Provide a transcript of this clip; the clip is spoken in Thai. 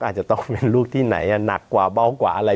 อาจจะต้องมีลูกที่ไหนหนักกว่าเบากว่าอะไร